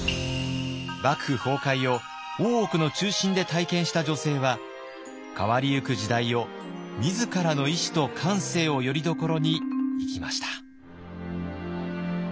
幕府崩壊を大奥の中心で体験した女性は変わりゆく時代を自らの意志と感性をよりどころに生きました。